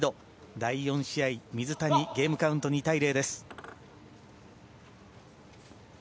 第４試合、水谷ゲームカウント２対０です。